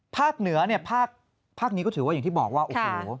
เหนือเนี่ยภาคนี้ก็ถือว่าอย่างที่บอกว่าโอ้โห